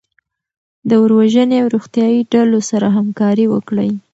د اور وژنې او روغتیایي ډلو سره همکاري وکړئ.